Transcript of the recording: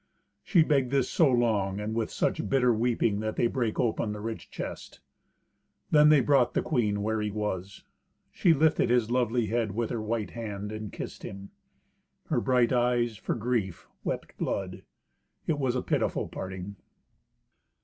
She begged this so long, and with such bitter weeping, that they brake open the rich chest. Then they bought the queen where he was. She lifted his lovely head with her white hand, and kissed him. Her bright eyes, for grief, wept blood. It was a pitiful parting.